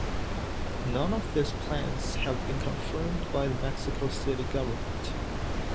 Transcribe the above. None of this plans have been confirmed by the Mexico City government.